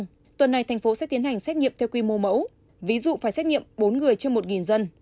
trong tuần này thành phố sẽ tiến hành xét nghiệm theo quy mô mẫu ví dụ phải xét nghiệm bốn người trên một dân